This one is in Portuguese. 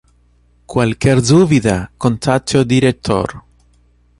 Qualquer dúvida, contate o diretor